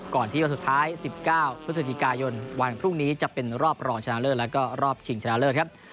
ก่อนที่วันสุดท้าย๑๙พฤศจิกายนวันพรุ่งนี้จะเป็นรอบรองชนะเลิศแล้วก็รอบชิงชนะเลิศครับ